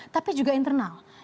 tapi juga internal